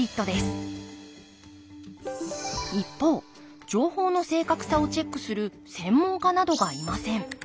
一方情報の正確さをチェックする専門家などがいません。